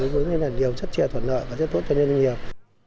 với nhiều chất chè thuận nợ và chất tốt cho nhân dân nhiều